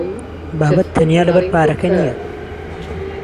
بابەت تەنیا لەبەر پارەکە نییە.